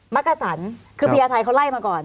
มักกะสันคือพญาไทยเขาไล่มาก่อน